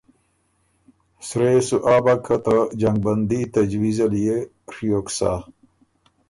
سرۀ يې سو آ بۀ که ته جنګ بندي تجویز ال يې ڒیوک سَۀ۔